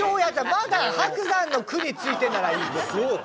まだ伯山の句についてならいいけど。